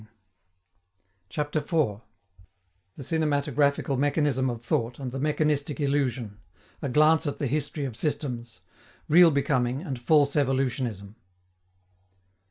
] CHAPTER IV THE CINEMATOGRAPHICAL MECHANISM OF THOUGHT AND THE MECHANISTIC ILLUSION A GLANCE AT THE HISTORY OF SYSTEMS REAL BECOMING AND FALSE EVOLUTIONISM.